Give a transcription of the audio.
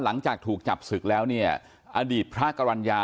หลังจากถูกจับศึกแล้วเนี่ยอดีตพระกรรณญา